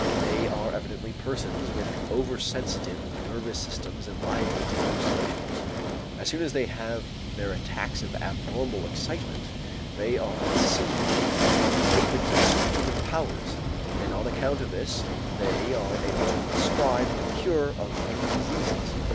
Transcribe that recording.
They are evidently persons with over sensitive nervous systems and liable to hallucinations. As soon as they have their attacks of abnormal excitement, they are conceived to be agents of superhuman powers, and on account of this they are able to prescribe the cure of any diseases.